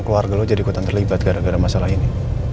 gue juga diketahui jadi ikutan terlibat gara gara masalah ini